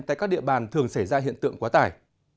tại các địa bàn thường xảy ra hiện tượng quá tải